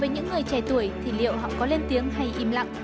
với những người trẻ tuổi thì liệu họ có lên tiếng hay im lặng